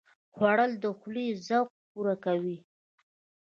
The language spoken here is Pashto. خوړل د خولې ذوق پوره کوي